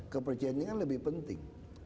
kepercayaan ini kan lebih penting